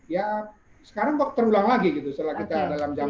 ya sekarang kok terulang lagi gitu setelah kita dalam zaman